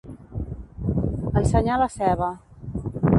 Ensenyar la ceba.